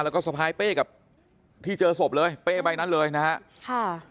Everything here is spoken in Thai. แล้วก็สะพายเป้กับที่เจอศพเลยเป้ใบนั้นเลยนะฮะค่ะ